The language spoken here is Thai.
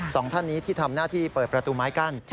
สองท่านนี้ที่ทำหน้าที่เปิดประตูไม้กั้น